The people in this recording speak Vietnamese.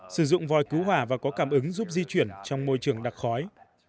sử dụng voi cứu hỏa và có cảm ứng giúp di chuyển trong môi trường đặc khói